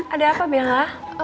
ada apa bella